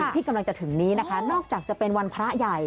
ที่กำลังจะถึงนี้นะคะนอกจากจะเป็นวันพระใหญ่